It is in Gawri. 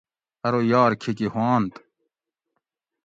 ارو یار کھیکی ہوانت